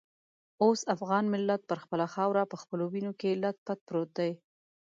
اوس افغان ملت پر خپله خاوره په خپلو وینو کې لت پت پروت دی.